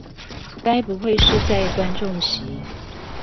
該不會是在觀眾席